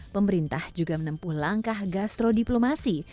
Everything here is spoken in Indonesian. pemerintah juga menempuh langkah gastrodiplomasi